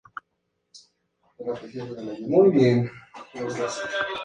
Constantemente se negó a aliviar radicalmente el desempleo.